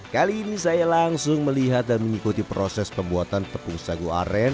kali ini saya langsung melihat dan mengikuti proses pembuatan tepung sagu aren